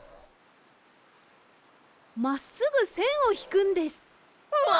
まっすぐせんをひくんです。わ！